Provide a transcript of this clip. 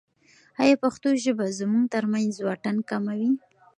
ایا پښتو ژبه زموږ ترمنځ واټن کموي؟